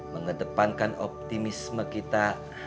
mengedepankan optimisme kita